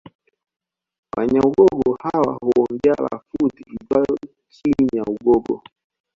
Wanyaugogo hawa huongea lafudhi iitwayo Chinyaugogo